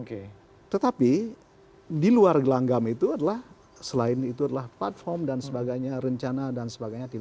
oke tetapi di luar gelanggam itu adalah selain itu adalah platform dan sebagainya rencana dan sebagainya